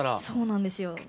そうなんですよ。